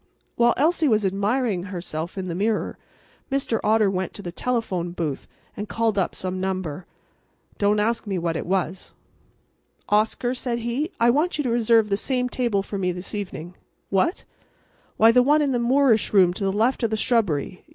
While Elsie was admiring herself in the mirror, Mr. Otter went to the telephone booth and called up some number. Don't ask me what it was. "Oscar," said he, "I want you to reserve the same table for me this evening. … What? Why, the one in the Moorish room to the left of the shrubbery.